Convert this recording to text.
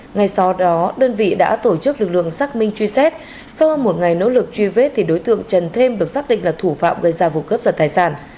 ngay sau đó đơn vị đã tổ chức lực lượng xác minh truy xét sau hơn một ngày nỗ lực truy vết đối tượng trần thêm được xác định là thủ phạm gây ra vụ cướp giật tài sản